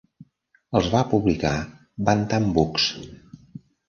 Els va publicar Bantam Books.